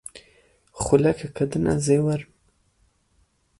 Xulekeke din ez ê werim.